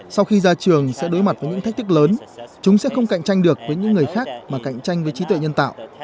sau khi ra trường sẽ đối mặt với những thách thức lớn chúng sẽ không cạnh tranh được với những người khác mà cạnh tranh với trí tuệ nhân tạo